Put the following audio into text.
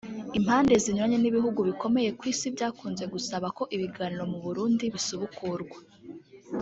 Impande zinyuranye n’ ibihugu bikomeye ku Isi byakunze gusaba ko ibiganiro mu Burundi bisubukurwa